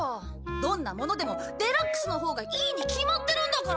どんなものでもデラックスのほうがいいに決まってるんだから！